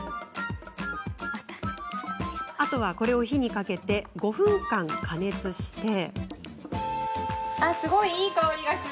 あとは、火にかけて５分間加熱して。